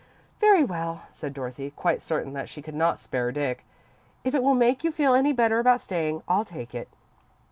"Very well," said Dorothy, quite certain that she could not spare Dick. "If it will make you feel any better about staying, I'll take it."